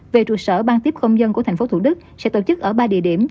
về trụ sở ban tiếp công dân của tp thủ đức sẽ tổ chức ở ba địa điểm